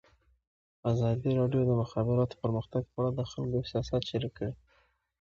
ازادي راډیو د د مخابراتو پرمختګ په اړه د خلکو احساسات شریک کړي.